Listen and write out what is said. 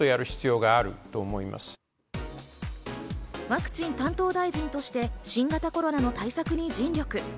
ワクチン担当大臣として、新型コロナの対策に尽力。